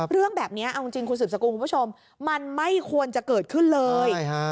เรื่องแบบนี้เอาจริงคุณสืบสกุลคุณผู้ชมมันไม่ควรจะเกิดขึ้นเลย